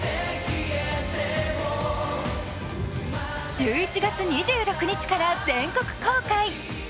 １１月２６日から全国公開。